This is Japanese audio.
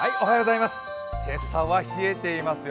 今朝は冷えていますよ。